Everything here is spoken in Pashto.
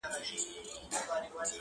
نن له هغې وني ږغونه د مستۍ نه راځي.!